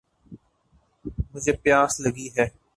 مجھے پیاس لگی ہے